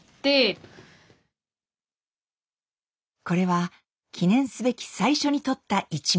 これは記念すべき最初に撮った１枚。